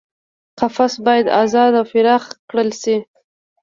قفس باید ازاد او پراخ کړل شي.